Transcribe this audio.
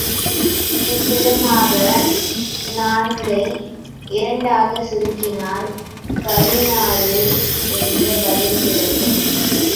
இவ்விதமாக நான்கை இரண்டாகச் சுருக்கினால், பதினாறு என்ற பதில் கிடைக்கும்.